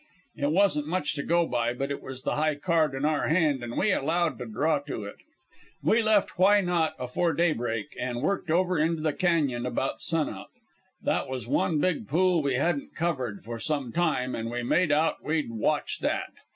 It wasn't much to go by, but it was the high card in our hand, an' we allowed to draw to it. "We left Why not afore daybreak, an' worked over into the cañon about sun up. They was one big pool we hadn't covered for some time, an' we made out we'd watch that.